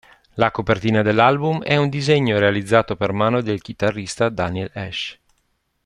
La copertina dell'album è un disegno realizzato per mano del chitarrista Daniel Ash.